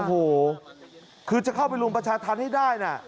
โอ้โหคือจะเข้าไปรุมประชาธรรมให้ได้นะ